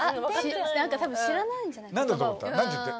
多分知らないんじゃない言葉を。